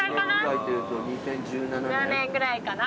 ２０１７年？ぐらいかな